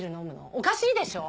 おかしいでしょ。